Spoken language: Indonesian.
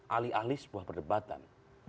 alih alih sebuah perdebatan